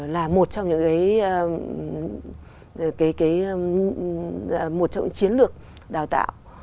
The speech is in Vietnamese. là một trong những cái chiến lược đào tạo